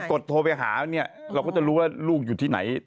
ดโทรไปหาเนี่ยเราก็จะรู้ว่าลูกอยู่ที่ไหน